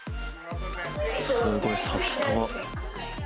すごい札束。